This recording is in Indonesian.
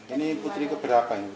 ini putri keberapa